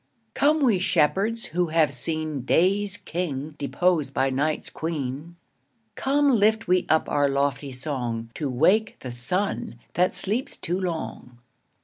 COME we shepherds who have seen Day's king deposed by Night's queen. Come lift we up our lofty song, To wake the Sun that sleeps too long.